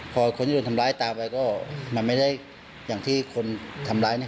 พอคนที่โดนทำร้ายตามไปก็มันไม่ได้อย่างที่คนทำร้ายเนี่ย